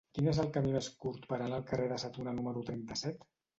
Quin és el camí més curt per anar al carrer de Sa Tuna número trenta-set?